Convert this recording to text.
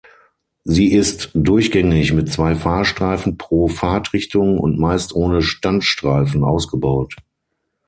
Sie ist durchgängig mit zwei Fahrstreifen pro Fahrtrichtung und meist ohne Standstreifen ausgebaut.